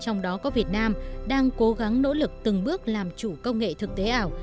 trong đó có việt nam đang cố gắng nỗ lực từng bước làm chủ công nghệ thực tế ảo